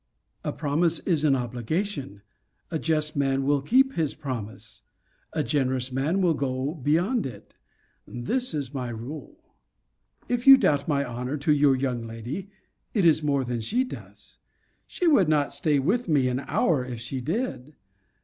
A promise is an obligation. A just man will keep his promise, a generous man will go beyond it. This is my rule. If you doubt my honour to your young lady, it is more than she does. She would not stay with me an hour if she did.